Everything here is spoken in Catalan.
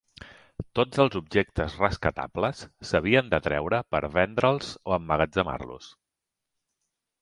Tots els objectes rescatables s'havien de treure per vendre'ls o emmagatzemar-los.